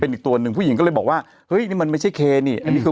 อีกตัวหนึ่งผู้หญิงก็เลยบอกว่าเฮ้ยนี่มันไม่ใช่เคนี่อันนี้คือ